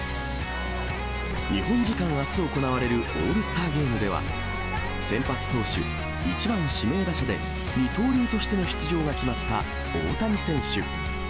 日本時間あす行われるオールスターゲームでは、先発投手、１番指名打者で、二刀流としての出場が決まった大谷選手。